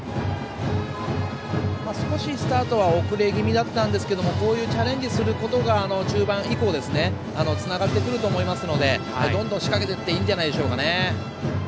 少しスタートは遅れ気味だったんですけどもこういうチャレンジすることが中盤以降につながってくると思いますのでどんどん仕掛けていっていいんじゃないでしょうかね。